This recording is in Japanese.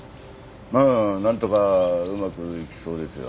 まあなんとかうまくいきそうですよ。